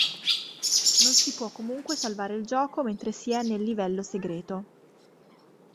Non si può comunque salvare il gioco mentre si è nel livello segreto.